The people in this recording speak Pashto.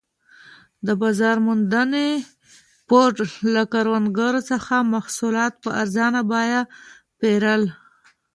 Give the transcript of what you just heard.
د بازار موندنې بورډ له کروندګرو څخه محصولات په ارزانه بیه پېرل.